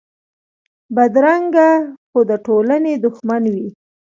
بدرنګه خوی د ټولنې دښمن وي